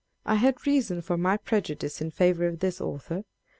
I had reason for my prejudice in favour of this author.